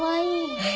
はい。